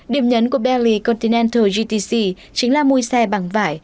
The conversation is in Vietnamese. điểm nhấn của bentley continental gtc chính là mùi xe bằng vải